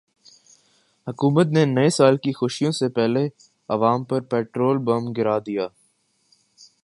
حکومت نے نئے سال کی خوشیوں سے پہلے عوام پر پیٹرول بم گرا دیا